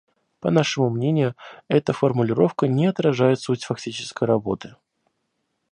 По нашему мнению, эта формулировка не отражает суть фактической работы.